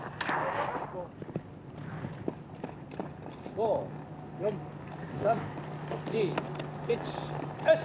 ５４３２１よし！